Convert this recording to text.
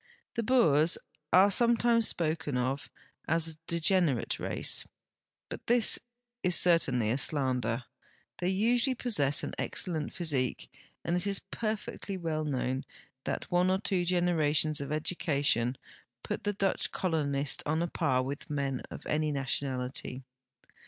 'I'he Boers are sometimes spoken of as a de generate race, but this is certainly a slander, 'fhey usually jtossess an e.xcelhmt physi«iue, and it is jtcrfecfly well known that one or two generations of education put the Dutch colonist 354 THE WITWATERSRAND AND on a par with men of any nationality.